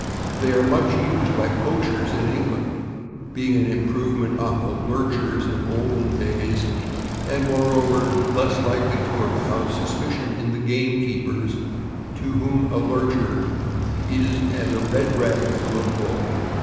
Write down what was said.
They are much used by poachers in England, being an improvement on the " lurchers" of olden days, and, more over, less likely to arouse suspicion in the gamekeepers, to whom a lurcher is as a red rag to a bull.